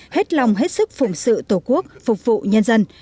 hết lòng hết sức phụng sự tổ quốc phục vụ nhân dân